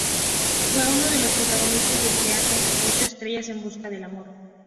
Fue uno de los protagonistas del teleteatro "Ocho estrellas en busca del amor".